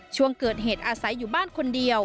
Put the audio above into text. ช่วงเกิดเหตุอาศัยอยู่บ้านคนเดียว